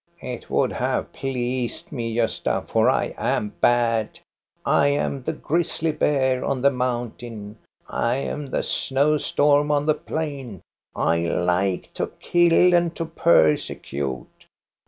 " It would have pleased me, Gosta, for I am bad. I am the grizzly bear on the mountain ; I am the snow storm on the plain; I like to kill and to persecute.